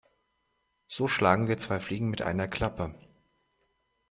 So schlagen wir zwei Fliegen mit einer Klappe.